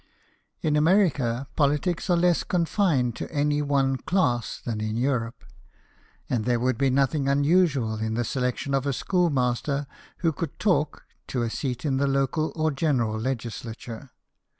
In America, politics are less confined to any one class than in Europe ; 152 BIOGRAPHIES OF WORKING MEN. and there would be nothing unusual in the selection of a schoolmaster who could talk to a seat in the local or general legislature.